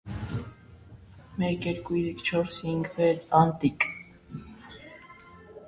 Անտիկ աշխարհից սկսած, երաժշտությունը եգիտպական մշակույթի անբաժանելի մասն էր։